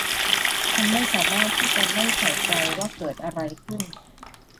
ฉันไม่สามารถที่จะไม่ใส่ใจว่าเกิดอะไรขึ้น